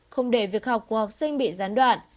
không để việc học của học sinh bị gián đoạn